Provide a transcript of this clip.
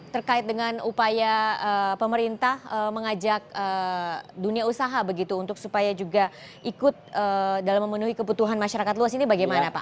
terkait dengan upaya pemerintah mengajak dunia usaha begitu untuk supaya juga ikut dalam memenuhi kebutuhan masyarakat luas ini bagaimana pak